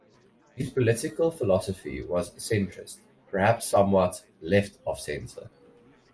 His political philosophy was centrist, perhaps somewhat left-of-centre.